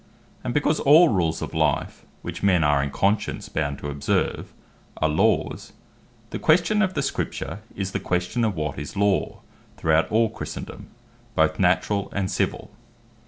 And because all Rules of life, which men are in conscience bound to observe, are Laws; the question of the Scripture, is the question of what is Law throughout all Christendome, both Naturall, and Civill.